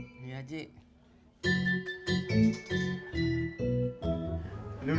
jangan lupa ya jika ada yang mau ngomong